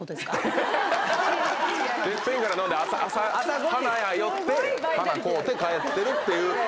テッペンから飲んで朝花屋寄って花買うて帰ってるっていう。